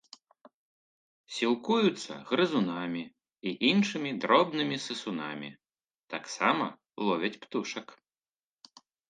Сілкуюцца грызунамі і іншымі дробнымі сысунамі, таксама ловяць птушак.